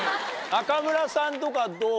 中村さんとかどう？